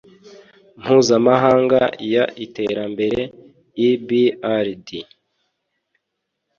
mpuzamahanga y iterambere ibrd